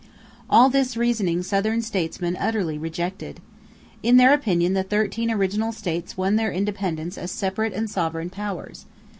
All this reasoning Southern statesmen utterly rejected. In their opinion the thirteen original states won their independence as separate and sovereign powers.